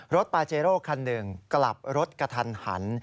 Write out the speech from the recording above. ปาเจโร่คันหนึ่งกลับรถกระทันหัน